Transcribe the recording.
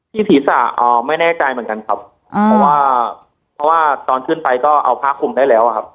ที่ศีรษะไม่แน่ใจเหมือนกันครับเพราะว่าตอนขึ้นไปก็เอาพระคุมได้แล้วครับ